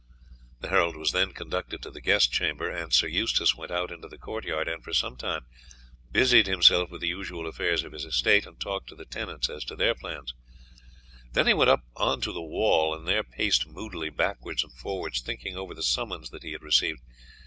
The herald was then conducted to the guest chamber, and Sir Eustace went out into the court yard and for some time busied himself with the usual affairs of his estate and talked to the tenants as to their plans; then he went up on to the wall and there paced moodily backwards and forwards thinking over the summons that he had received.